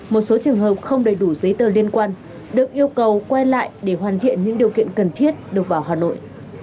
một số trường hợp không đầy đủ giấy tờ liên quan được yêu cầu quay lại để hoàn thiện những điều kiện cần thiết được vào hà nội